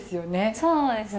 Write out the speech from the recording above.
そうですね。